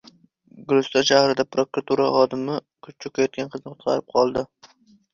Guliston shahrida prokuratura xodimi cho‘kayotgan qizni qutqarib qoldi